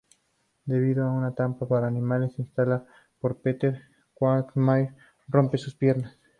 Debido a una trampa para animales instalada por Peter, Quagmire rompe sus piernas.